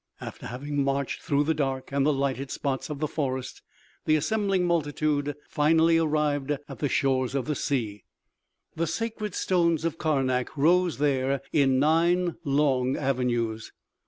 After having marched through the dark and the lighted spots of the forest, the assembling multitude finally arrived at the shores of the sea. The sacred stones of Karnak rose there in nine long avenues.